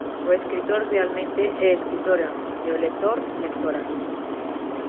O escritor realmente é escritora e o lector, lectora.